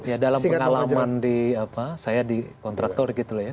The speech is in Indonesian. ya dalam pengalaman saya di kontraktor gitu ya